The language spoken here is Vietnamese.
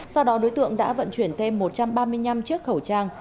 sau đó đối tượng đã vận chuyển thêm một trăm ba mươi năm chiếc khẩu trang